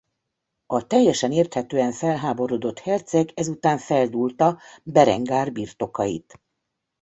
A teljesen érthetően felháborodott herceg ezután feldúlta Berengár birtokait.